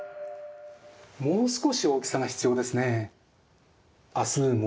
もう少し大きさが必要ですね。